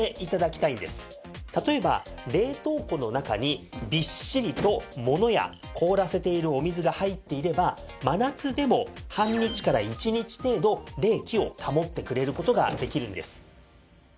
例えば冷凍庫の中にびっしりと物や凍らせているお水が入っていれば真夏でも半日から１日程度冷気を保ってくれる事ができるんです。